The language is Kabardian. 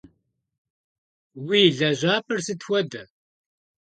Уи лэжьапӏэр сыт хуэдэ?